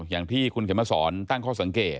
อย่างที่คุณเข็มมาสอนตั้งข้อสังเกต